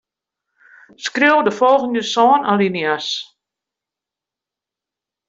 Skriuw de folgjende sân alinea's.